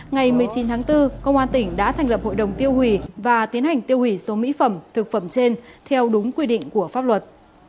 ngày một mươi chín tháng bốn công an tỉnh đã thành lập hội đồng tiêu hủy và tiến hành tiêu hủy số mỹ phẩm thực phẩm trên theo đúng quy định của pháp luật